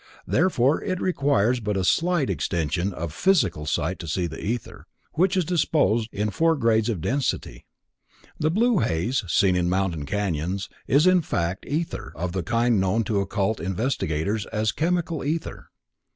Therefore it requires but a slight extension of physical sight to see ether, (which is disposed in four grades of density), the blue haze seen in mountain canyons is in fact ether of the kind known to occult investigators as "chemical ether."